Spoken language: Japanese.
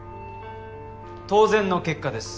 当然の結果です。